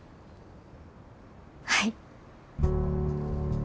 はい。